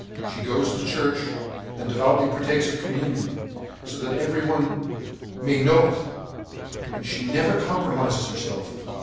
She goes to church and devoutly partakes of Communion, so that everyone may know it, and she never compromises herself.